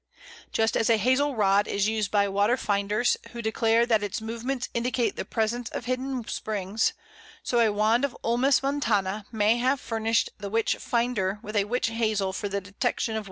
Just as a Hazel rod is used by water finders, who declare that its movements indicate the presence of hidden springs, so a wand of Ulmus montana may have furnished the Witch finder with a Witch Hazel for the detection of witches!